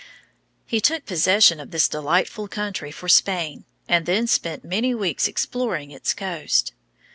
He took possession of this delightful country for Spain, and then spent many weeks exploring its coast.